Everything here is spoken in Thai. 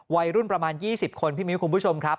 วัยรุ่นประมาณ๒๐คนพี่มิ้วคุณผู้ชมครับ